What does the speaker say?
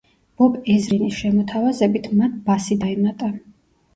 ბობ ეზრინის შემოთავაზებით, მათ ბასი დაემატა.